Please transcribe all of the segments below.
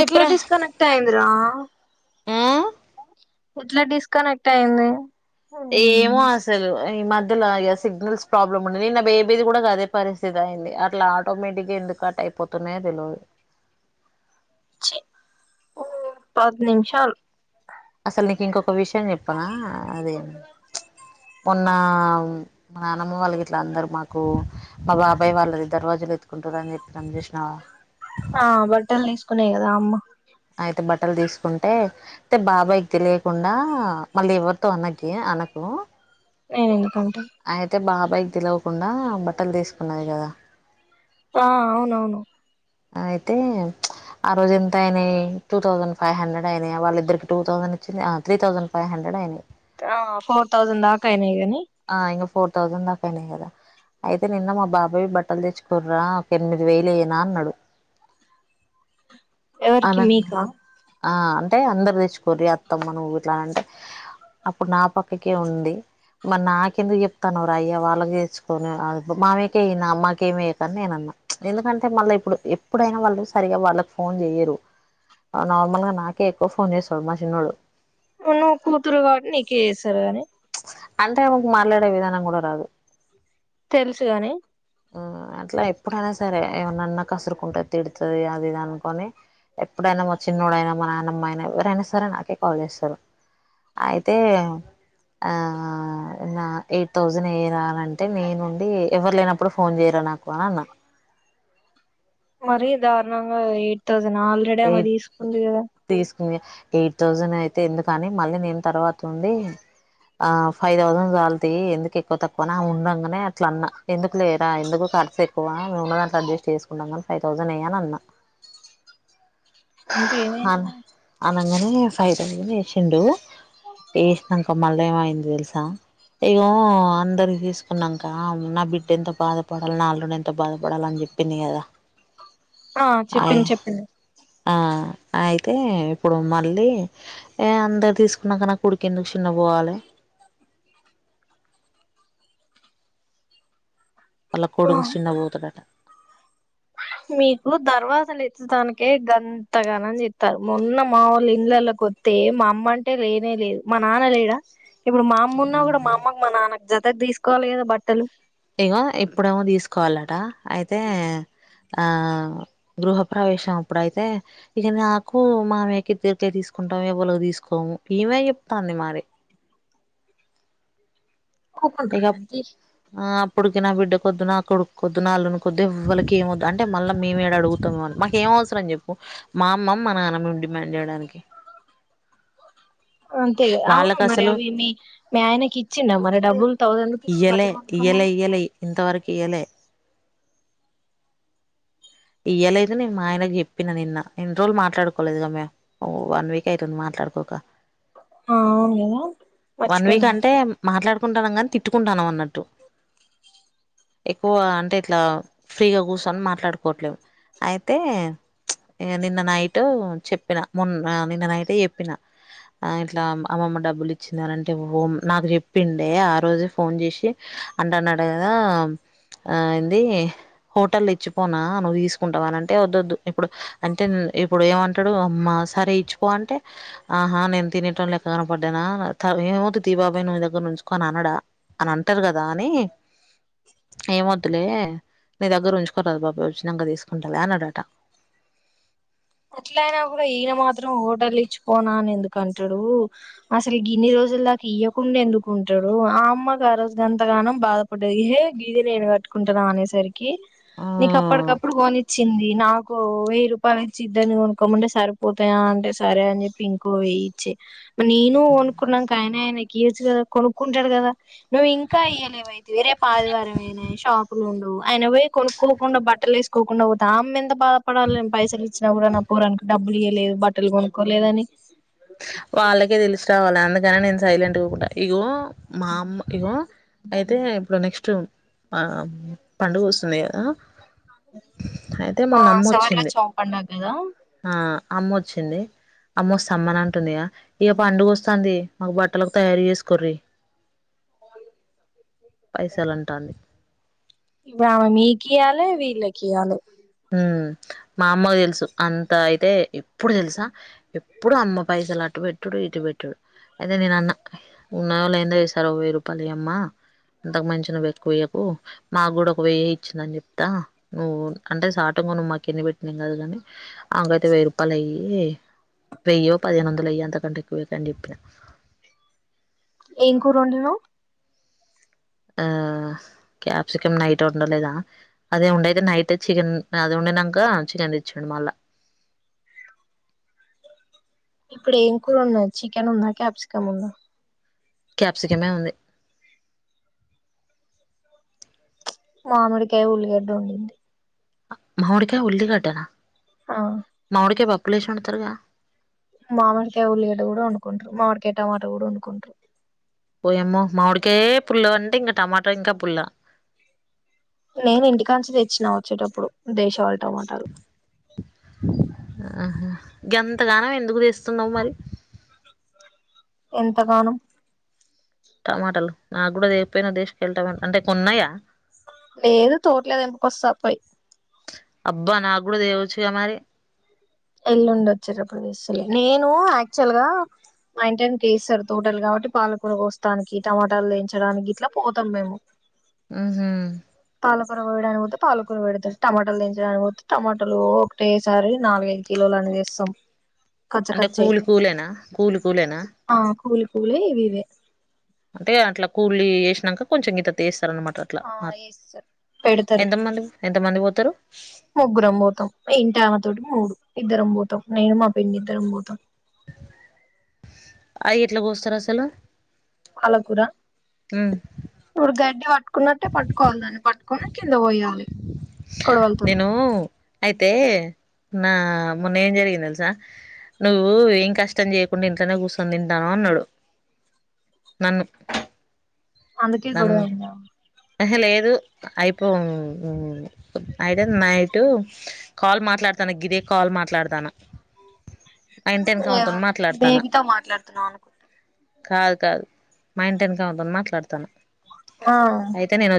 ఎట్లా డిస్కనెక్ట్ అయిందిరా ఉ ఎట్లా డిస్కనెక్ట్ అయ్యింది ఏమో అసలు ఈ మధ్యలా ఇగ సిగ్నల్స్ ప్రాబ్లమ్ ఉంనది నా బేబీది కూడా అదే పరిస్థితి అయింది అట్లా ఆటోమేటిక్ గా ఎందుకు కట్ అయిపోతున్నాయో తెల్వదు పది నిమిషాలు అసలు నీకు ఇంకొక విషయం చెప్పనా అదే మొన్న మా నాన్నమ్మ వాళ్ళకి ఇట్లా అందరు మాకు మా బాబాయ్ వాళ్ళది దర్వాజులు ఎత్తుకుంటార అని చెప్పినా చూసినావా ఆ బట్టలు తీసుకునే కదా అమ్మ అయితే బట్టలు తీసుకుంటే అయితే బాబాయ్కి తెలియకుండా మళ్ళీ ఎవరితో అనకి అనకు నేనెందుకు ఆన్ అయితే బా బైక్ తెలవకుండా బట్టలు తీసుకున్నది కదా ఆ అవునవును అయితే ఆ రోజు ఎంత అయినాయి టూ థౌసండ్ ఫైవ్ హండ్రెడ్ అయినాయి వాళ్ళిద్దరికి టూ థౌసండ్ ఇచ్చింది త్రీ థౌజండ్ ఫైవ్ హండ్రెడ్ అయినాయి ఆ ఫోర్ తౌసండ్ దాకా అయినాయి గాని ఆ ఇంగ ఫోర్ థౌసండ్ దాకా అయినాయి కదా అయితే నిన్న మా బాబాయ బట్టలు తెచ్చుకోర్రా ఒక ఎనిమిది వేలు ఏయ్యన అన్నాడు ఎవరికి అనంగా మీకా ఆ అంటే అందరు తెచ్చుకోరీ అత్తమ్మ నువ్వు ఇట్లా అనీ అంటే అప్పుడు నా పక్కకే ఉంది మరి నాకెందుకు చెప్తానావు రా అయ్య వాళ్ళకి తెచ్చుకొని ఆ మామేకే వెయ్యి మ్మాకేమి వయ్యకని నేను అన్నా ఎందుకంటే మళ్ళీ ఇప్పుడు ఎప్పుడైనా వాళ్ళు సరిగా వాళ్ళకి ఫోన్ చెయరు నార్మల్ గా నాకే ఎక్కువ ఫోన్ చేస్తాడు మా చిన్నోడు నువ్వు కూతురు కాబట్టి నీకే చేస్తారు గానే అంటే ఆమెకు మాట్లాడే విధానం కూడా రాదు తెలుసు గాని ఉ అట్లా ఎప్పుడైనా స సరే ఏమనాన్నా కసురుకుంటే తిడుతది అది ఇది అనుకొని ఎప్పుడైనా మా చిన్నడైనా మా నాన్నమ్మ అయినా ఎవరైనా సరే నాకే కాల్ చేస్తారు అయితే ఆ నా ఎయిట్ థౌసండ్ ఏరాలంటే నేనుండి ఎవరు లేనప్పుడు ఫోన్ చేయరా నాకు అని అన్నా మరి ధారుణంగా ఎయిట్ తౌసం ఆల్రెడీ అమ ఎయిట్ తీసుకుంది కదా తీసుకుని ఎయిట్ థౌసండ్ అయితే ఎందుకని మళ్ళీ నేను తర్వాత ఉండి ఆ ఫైవ్ థౌసండ్ చాలతీ ఎందుకు ఎక్కువ తక్కువ ఆమె ఉండంగానే అట్ల అన్నా ఎందుకు లేరా ఎందుకు ఖర్చు ఎక్కువ మేము ఉన్న అట్లా అడ్జస్ట్ చేసుకుాంని ఫైవ్ థౌసండ్ యెయ్యి అని అన్నా అంటే అ ఏమైంది మరి అనంగనే ఫైవ్ తౌసండ్ ఏసిండు ఏసినంక మళ్ళ ఏమైంది తెలుసా ఇగో అందరికి తీసుకున్నాంక నా బిడ్డ ఎంత బాధపడాలి నా అల్లుడు ఎంత బాధపడాలి అని చెప్పింది కదా ఆ అయ్ చెప్పింది చెప్పింది ఆ అయితే ఇప్పుడు మళ్ళీ ఏ అందరు తీసుకున్నాక నా కొడికు ఎందుకు చిన్న పోవాలే వాళ్ళ కొడుకు ఆ చిన్న పోతడట మీకు దర్వాజాలు ఎత్తడానికే గంతగానం చెత్తారు మొన్న మావోళ్ళు ఇండ్లలాకు వోతే మా అమ్మ అంటే లేనే లేదు మా నాన్న లేడా ఇప్పుడు మా అమ్మ ఉన్నా కూడా మా అమ్మకు మా నాన్నకు జతకు తీసుకోవాలి కదా బట్టలు ఇగో ఇప్పుడేమో తీసుకోవాలట అయితే ఆ గృహప్రవేశం అప్పుడు అయితే ఇక నాకు మామయ్యకి ఇద్దరికే తీసుకుంటాం ఎవాళ్లకు తీసుకోము ఈమె చెప్తంది మరి ఒప్పుకుంటారా ఇక అంటీ ఆ అప్పుడు ఇక నా బిడ్డ కొద్దు నా కొడుకుకు కొద్దు నా అల్లునికి కొద్దు ఇవ్వళ్ళకి ఏమద్దు అంటే మళ్ళ మేమేడ అడుగుతామో అని మాకు ఏం అవసరం చెప్పు మా అమ్మ మా నాన్న మేము డిమాండ్ చేయడానికి అంతే అవును వాళ్ళకి మరి అసలు అవి మీ మీ ఆయనకి ఇచ్చిండ మరి డబ్బులు థౌసండ్ రూపీస్ ఇయ్యాలే బట్టలు ఇయ్యాలే కొనుక్కోమని ఇయ్యాలే ఇంతవరకు ఇయ్యాలే ఇయ్యలేదు నేను మా ఆయనకి చెప్పిన నిన్న ఎన్ని రోజులు మాట్లాడుకోలేదుగా మేము ఓ వన్ వీక్ అయితుంది మాట్లాడుకోక ఆ అవును కదా వన్ వీక్ మర్చిపోయినా అంటే మాట్లాడు ట్టుకుంటా కాని తిట్టుకుంటున్నాం అన్నట్టు ఎక్కువ అంటే ఇట్లా ఫ్రీగా కుర్సోని మాట్లాడు ఇంకోటిలేవ్ అయితే నిన్న నైట్ చెప్పిన మొన్న నిన్న నైట్ చెప్పిన ఇట్లా అమ్మమ్మ డబ్బులు ఇచ్చిందనంటే ఓ నాకు చెప్పిండే ఆ రోజు ఫోన్ చేసి అంట అన్నాడు కదా ఆ ఏంది హోటల్ ఇచ్చిపోనా నువ్వు తీసుకుంటావు అని అంటే వద్దద్దు ఇప్పుడు అంటే ఇప్పుడు ఏమంటాడు అమ్మా సరే ఇచ్చిపో అంటే ఆహా నేను తినేతోడిలెక్క కనపడ్డానా ఏమవుతుంది తియ్ బాబాయ నువ్వు నీ దగ్గరే ఉంచుకో అని అనడ అని అంటారు కదా అని ఏమొద్దులే నీ దగ్గర ఉంచుకోరాదు బాబాయ్ వచ్చ నిదానంగా తీసుకుంటాకదా అన్నడట అట్ల అయినా కూడా ఈయన మాత్రం హోటల్ ఇచ్చుపోన అని ఎందుకంటాడు అసలు ఈ గిన్ని రోజుల దాకా ఇయ్యకుండా ఎందుకుంటాడు ఆ అమ్మకు ఆరోజురోగంతగనం బాధపడ్డది ఎహే గీది నేను కట్టుకుంటున్నా అనేసరికి కి ఆ నీకు అప్పటికప్పుడు కోనిచ్చింది నాకు ఓ వెయ్యి రూపాలు ఇచ్చి దాన్నీ కొనుక్కోమంటే సరిపోతాయా అంటే సరే అని చెప్పి ఇంకో వెయ్యిచ్చి నేను కొనుకున్నాక ఆయనేవి ఇవచ్చు కదా కొనుక్కుంటాడు కదా నువ్వు ఇంకా ఇయ్యలేవయితేవి రేపు ఆదివారమేనాయె షాప్ వుండవు ఆయన పోయ్యి కొనుక్కోకుండా బట్టలు వేసుకోకుండా పోయ్యి దాన్నే ఎంత బాధపడాలి నేను పైసల్ వచ్చినా కూడా నా పోరోనికి డబ్బులు ఇయ్యలేదు బట్టలు కొనుక్కోలేదని వాళ్ళకే తెలిసి రావాలి అందుకని నేను సైలెంట్ గా ఉకుంట ఇగో మా అమ్మ ఇగో అయితే ఇప్పుడు నెక్స్ట్ ఆ పండుగ వస్తుంది కదా అయితే ఆ మొన్న అమ్మ సార్ల వచ్చింది చాప్ అన్న కదా ఆ అమ్మ ఓచ్చింది ఆమ్మ సామాన్నన్ ఉంటుందిగా ఇక పండుగ వస్తంది మాకు బట్టలకు తయారు చేసుకోర్రి పైసలు అంటాంది ఆ మికియలే వీళ్ళకియాలే హుమ్ మా అమ్మకు తెలుసు అంత అయితే ఎప్పుడు తెలుసా ఎప్పుడు అమ్మ పైసలు అటు పెట్టుడు ఇటు పెట్టుడు అయితే నేను అన్న ఉన్నాయో లేందో ఈసారి వెయ్యి రూపాయలు ఇయ్యి అమ్మ ఇంతకుమించి నువ్వు పెట్టుకోకు మాకు కూడా ఒక వెయ్యే ఇచ్చిందని చెప్తా నువ్వు అంటే సాటుంగాను మాకి ఎన్ని పెట్టిందో గానీ అమెకు అయితే వెయ్యి రూపాయలు ఇయ్యి వెయ్యో పదిహేను వందలో ఇయ్యి అంతకంటే ఎక్కువ ఇయ్యాకు అని చెప్పిన ఏం కూర వండినవ్ ఆ క్యాప్సికం నైట్ వండలేదా అదే ఉండేఅయితే నైట్ చికెన్ అది వండినంకా చికెన్ తెచ్చిండు మళ్ళా ఇప్పుడు ఏం కూర ఉన్నాడి చికెన్ ఉందా క్యాప్సికమ్ ఉందా క్యాప్సికమే ఉంది మామిడికాయ ఉల్లిగడ్డ వండింది మామిడికాయ ఉల్లిగడ్డ నా ఆ మామిడికాయ పప్పు పాపులేషన్ వండుతారు గా మామిడికాయ ఉల్లిగడ్డ కూడా వండుకుంటారు మామిడికాయ టమాట కూడా వండుకుంటారు వయమ్మో మామిడికే పుల్ల అంటే ఇంకా టమాట ఇంకా పుల్ల నేను ఇంటికాంచి తెచ్చినా వచ్చేటప్పుడు దేశవళి టమాటాలు ఆహా గంత గానం ఎందుకు తెస్తున్నావు మరి ఎంతగానం టమాటాలు నాకు కూడా లేకపోయినా దేశవాలి టమాటలు అంటే కొన్నాయా లేదు తోట్ల తెంపుకొస్తా పోయి అబ్బా నాకు కూడా తేవచ్చు కదా మరి ఎల్లుండి వచ్చేటప్పుడు తెస్తాలే నేను యాక్చువల్ గా మా ఇంటి వెనక వస్తారు తోటలు కాబట్టి పాలకూర కోస్తానికి టమాటాలు తేచడానికి ఇట్లా పోతాం మేము ఉహు పాలకూర కోయ్యడానికి పాలకూర పెడితే టమాటాలు దించడానికిపోతే టమాటాలు ఒకటేసారి నాలుగై కిలోలన్నీ చేస్తాం అంటే కూలి కూలేనా కూలి కూలేనా ఆ కూలి కూలి ఇవి ఇవే అంటే అట్లా కూల్లి వేసినాక కొంచెం గిత్తత్త ఏస్తా తన్మాట అట్లా ఆ ఏస్తారు పెడతారు ఎంతమంది ఎంతమంది పోతారు ముగ్గురం పోతాం ఇంటి ఆమె తోటి మూడు ఇద్దరం పోతాం నేను మా పిన్ని ఇద్దరం పోతాం అయి ఇట్లా పోస్తస్తారు అసలు పాలకురా ఉమ్ ఓ గడ్డివా కున్నట్టే పట్టుకోవాల దాన్ని పట్ కోనీ కింద పొయ్యాలి నేను అయితే నా మొన్న ఏం జరిగింది తెలుసా నువ్వు ఏం కష్టం చేయకుండా ఇంట్లోనే కూర్సొని తింటాను అన్నాడు నన్ను అందుకే గొడవ అయిందా అహ లేదు అయిపో అయితే నైటు కాల్ మాట్లాడతాన గిదే కాల్ మాట్లాడతాన బేబితో మాట్లాడుతున్న అనుకుంటా కాదు కాదు మా ఇంటి వెనకామతో మాట్లాడు తన ఆ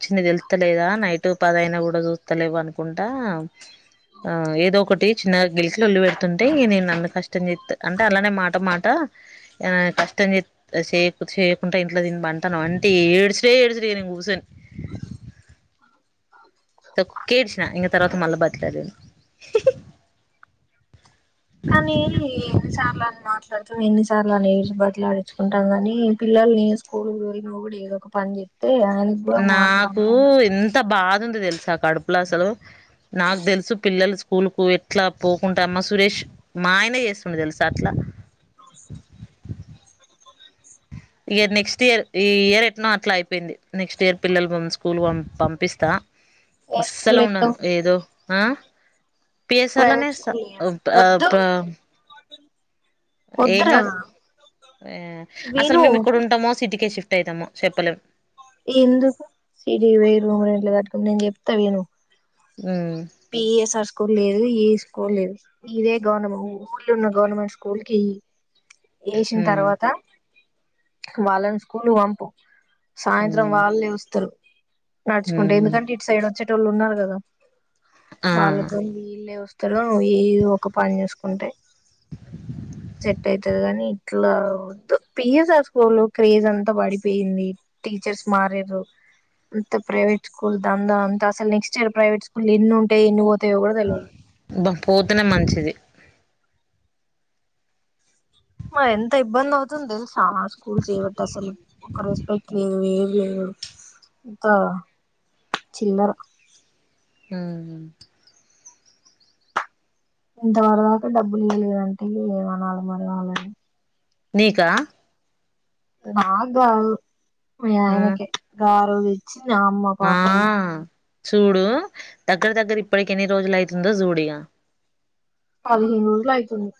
వచ్చింది తెలుస్తలేదా నైట్ పదయినా కూడా చూస్తలేవు అనుకుంటా ఆ ఏదో ఒకటి చిన్నగా గెలిచిలు లొల్లి పెడుతుంటే నేను నన్ను కష్టం చేస్తా అంటే అలానే మాట మాట కష్టం చే చేయకుండా ఇంట్లో దీని బంట అంటే ఏడ్చుడే ఏడ్చుడు ఇక నేను కూసోని అ సోకేడ్చిన తర్వాత మల్ల బతిమిలాడిండు కానీ ఛాంబర్ మాట్. అర్తం ఎన్నిసార్లు అనీ బతిలాడిచ్చుకుంటావ్, కాని పిల్లల్ని స్కూల్ తొలిన కూడా ఏదో ఒక పని చేయ్. నాకు ఎంత బాధ. ఉంది తెలుసా. కడుపులా అసలు నాకు తెలుసు పిల్లలు స్కూల్ కు ఎట్లా పోకుంటా మా సురేష్ మా ఆయనే చేస్తుండు తెలుస అట్లా. నమ ఇగా నెక్స్ట్ ఇయర్ ఈ ఇయర్ ఎట్నో అట్లా అయిపోయింది. నెక్స్ట్ ఇయర్ పిల్లలు స్కూల్ పంపిస్తా. ఏ స్కూల్ అస్సలు ఉన్నాను ఎత్తావ్ ఏదో. ఆ పిఎస్ఆర్నేన్ ప్రైవేట్ ఎస్తా. స్కూల్ వద్దు [unintelligible] ఏం వద్దురా కాదు అసలు విను మేము ఇక్కడ ఉంటామో, సిటీకే షిఫ్ట్. షిఫ్ట్ అయితమో చెప్పలేం. ఎందుకు సిరీ వేయ్యి రూమ్ రెంట్లు కట్టుక నేను చెప్తా విను. ఉమ్ పిఎస్ఆర్ స్కూల్ లేదు. ఏ స్కూల్ లేదు. ఇదే గవర్నమె ఊర్లా ఉన్న గవర్నమెంట్ స్కూల్ కి. ఏయ్యి ఏసిన ఉమ్ తర్వాత. వాళ్ళను స్కూల్ కు పంపూ. సాయంత్రం ఉమ్ వాళ్ళే వస్తారు. నడుచుకుంటూ ఉమ్ ఎందుకంటే ఇటు సైడ్ వచ్చే. పెద్దోళ్ళు ఉన్నారు. కదా. ఆ వాళ్ళతో వీళ్ళే వస్త్ ఇంతలో ఇ ఈ ఓ ఒక పని చేసుకుంటే. సెట్ అయితది. అని ఇట్లా వద్దు పిఎస్ఆర్ స్కూల్ క్రేజ్ అంతా పడిపోయింది. టీచర్స్ మారీర్రు, అంత ప్రైవేట్ స్కూల్ దంద అంత అసలు నెక్స్ట్ ఇయర్ ప్రైవేట్ స్కూల్ ఎన్నింటాయి. ఎన్ని పో దేవుడికి కూడా తెల్వద్. పోతానే మంచిది. ఎంత ఇబ్బంది అవుతుంది తెలుసా స్కూల్స్ చేయబట్టి అసలు ఒక రెస్పెక్ట్ లేదు. ఏమి లేదు, అంత చిల్లర. హ్మ్ ఇంతవరదాకా డబ్బులు ఇయలేదంటే, ఏమనాలి మరీ వాళ్ళని. నీకా. నాక్ గాదు. మీ ఆ ఆయనకే రోదిచ్చి. నా అమ్మ ఆ పాపము. చూడు దగ్గర దగ్గర ఇప్పటికి ఎన్ని రోజులు అయితుందో చూడిగా. పదిహేనురోజులు అయితుంది.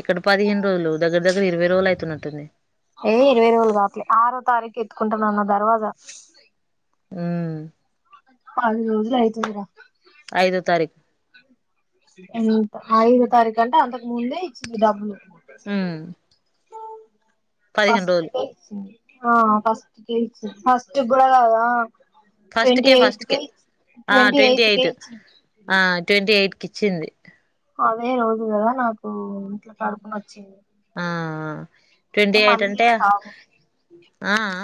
ఏక్కడ పదిహేను రోజులు దగ్గర దగ్గర ఇరవై రోజులు అయితుందట్టుంది. ఏయ్ ఇరవై రోజులు కాట్లే ఆరో తారీఖు ఎత్తుకుంటున్నాన్న దర్వాజా హ్మ పది రోజులు అయితుందిరా ఐదో తారీఖు ఎంత ఐదో తారీఖు అంటే అంతకు ముందే ఇచ్చింది డబ్బులు ఉమ్ పదిహేను ఫస్ట్ రోజులు కే ఆ ఫస్ట్ కే ఇచ్చింది ఫస్ట్ గూడ గాదు ఆ ఫస్ట్ ట్వంటీ కే ఫస్ట్ ఎయిత్ కే ఆ ట్వంటీ ఎయిత్ ఆ ట్వంటీ ఎయిత్ కిచ్చింది అదే రోజు కదా నాకూ ఇట్ల కడుపు నొచ్చింది ఆ ట్వంటీ ఎయిట్ మళ్ళీ అంటే చేస్తా ఆగు ఆ